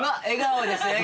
笑顔です